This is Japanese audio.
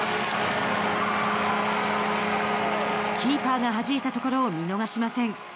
キーパーが、はじいたところを見逃しません。